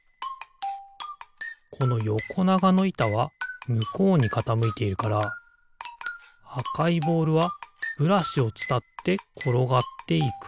このよこながのいたはむこうにかたむいているからあかいボールはブラシをつたってころがっていく。